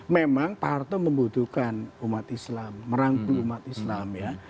memang pak harto membutuhkan umat islam merangkul umat islam ya